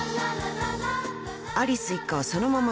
［アリス一家はそのまま居座り